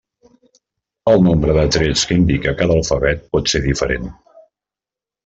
El nombre de trets que indica cada alfabet pot ser diferent.